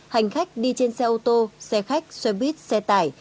hành khách đi trên xe ô tô xe khách xe buýt xe tải